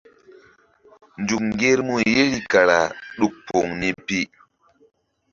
Nzuk ŋgermu yeri kara ɗuk poŋ ni pi.